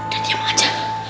dan diam aja